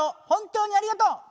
本当にありがとう。